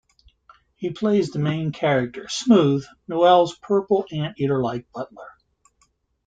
He plays the main character Smooth, Noel's purple anteater-like butler.